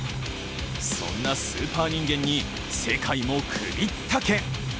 そんなスーパー人間に世界も首ったけ。